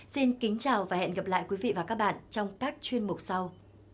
xin kính chào và hẹn gặp lại quý vị và các bạn trong các chuyên mục sau